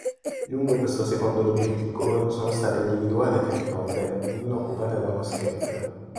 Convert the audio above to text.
Lungo questo secondo diverticolo sono state individuate tre tombe, ognuna occupata da uno scheletro.